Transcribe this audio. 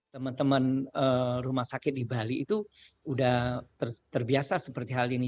teman teman rumah sakit di bali itu sudah terbiasa seperti hal ini